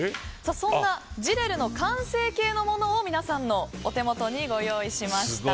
そんなＺＩＲＥＲＵの完成形のものを皆さんのお手元にご用意しました。